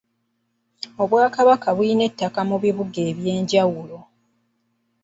Obwakabaka bulina ettaka mu bibuga eby'enjawulo.